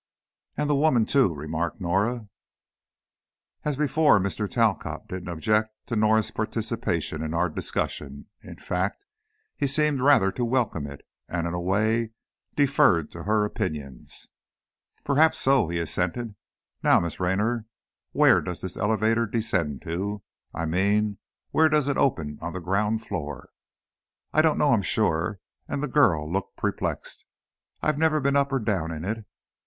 "And the woman, too," remarked Norah. As before Mr. Talcott didn't object to Norah's participation in our discussion, in fact, he seemed rather to welcome it, and in a way, deferred to her opinions. "Perhaps so," he assented. "Now, Miss Raynor, where does this elevator descend to? I mean, where does it open on the ground floor?" "I don't know, I'm sure," and the girl looked perplexed. "I've never been up or down in it.